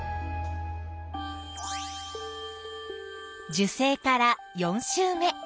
受精から４週目。